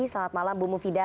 selamat malam bu mufida